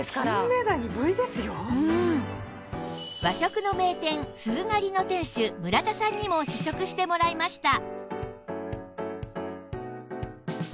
和食の名店鈴なりの店主村田さんにも試食してもらいました